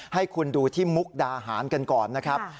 ให้คุณดูที่มุกดาหารกันก่อนนะครับ